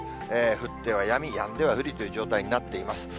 降ってはやみ、やんでは降りという状態になっています。